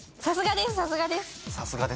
さすがです